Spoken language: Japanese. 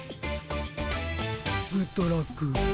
グッドラック。